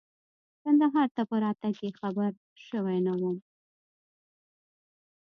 کندهار ته په راتګ یې خبر شوی نه وم.